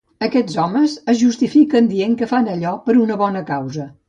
Aquests homes es justifiquen dient que fan allò per una bona causa.